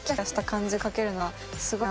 すごい。